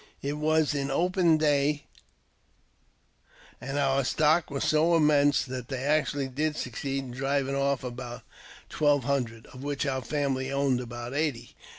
It was in open day, and our stock was so immense that they actually did succeed in driving off about twelve hundred, of which our family owned about eighty.